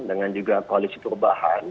dengan juga koalisi perubahan